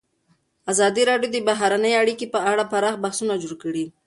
ازادي راډیو د بهرنۍ اړیکې په اړه پراخ بحثونه جوړ کړي.